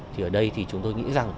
thì ở đây thì chúng tôi nghĩ rằng